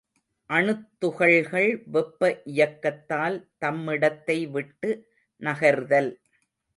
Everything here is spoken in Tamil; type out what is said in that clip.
அணுத் துகள்கள் வெப்ப இயக்கத்தால் தம்மிடத்தை விட்டு நகர்தல்.